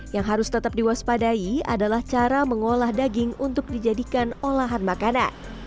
yang harus tetap diwaspadai adalah cara mengolah daging untuk dijadikan olahan makanan